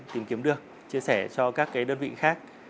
tìm kiếm được chia sẻ cho các đơn vị khác